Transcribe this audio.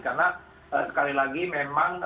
karena sekali lagi memang